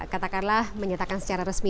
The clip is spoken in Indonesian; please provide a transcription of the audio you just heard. katakanlah menyatakan secara resmi